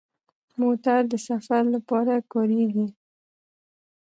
موټر د سفر لپاره کارېږي.